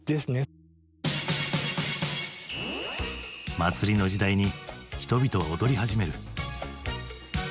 祭りの時代に人々は踊り始める。